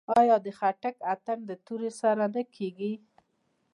آیا د خټک اتن د تورې سره نه کیږي؟